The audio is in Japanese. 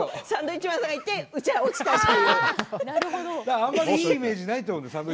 だから、あまりいいイメージはないと思うんですよ